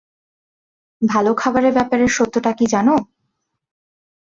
ভালো খাবারের ব্যাপারে সত্যটা কি জানো?